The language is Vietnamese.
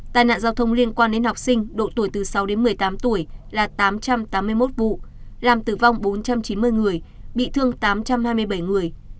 tai nạn giao thông liên quan đến học sinh độ tuổi từ sáu đến một mươi tám tuổi là tám trăm tám mươi một vụ làm tử vong bốn trăm chín mươi người bị thương tám trăm hai mươi bảy người